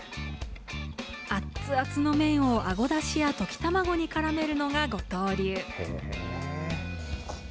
あっつあつの麺を、アゴだしや溶き卵にからめるのが五島流。